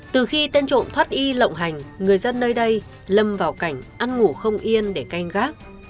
từ khi tên trộm thoát y lộng hành người dân nơi đây lầm vào cảnh ăn ngủ không yên để canh gác